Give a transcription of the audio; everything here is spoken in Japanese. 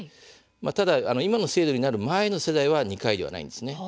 ただ、今の制度になる前の世代は２回ではないんです。